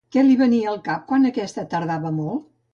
Què li venia al cap quan aquesta tardava molt?